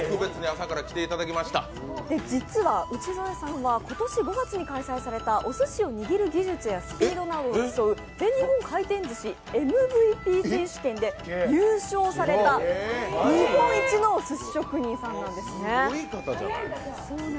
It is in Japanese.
実は内添さんは今年５月に開催されましたおすしを握る技術やスピードなどを競う全日本回転寿司ＭＶＰ選手権で優勝された、日本一のおすし職人さんなんですね。